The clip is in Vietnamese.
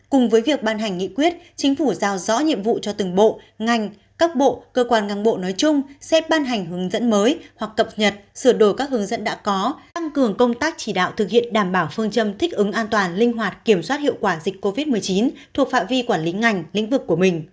cùng với việc ban hành nghị quyết chính phủ giao rõ nhiệm vụ cho từng bộ ngành các bộ cơ quan ngang bộ nói chung sẽ ban hành hướng dẫn mới hoặc cập nhật sửa đổi các hướng dẫn đã có tăng cường công tác chỉ đạo thực hiện đảm bảo phương châm thích ứng an toàn linh hoạt kiểm soát hiệu quả dịch covid một mươi chín thuộc phạm vi quản lý ngành lĩnh vực của mình